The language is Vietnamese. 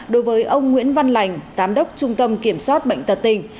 đối với ông nguyễn văn lành giám đốc trung tâm kiểm soát bệnh tật tỉnh